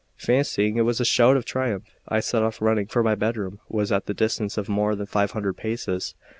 Fancying it was a shout of triumph, I set off running, for my bedroom was at the distance of more than five hundred paces.